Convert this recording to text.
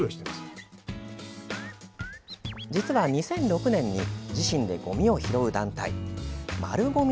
実は２００６年に自身でごみ拾いを行う団体まるごみ